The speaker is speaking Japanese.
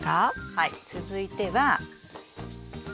はい続いては。